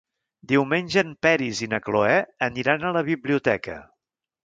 Diumenge en Peris i na Cloè aniran a la biblioteca.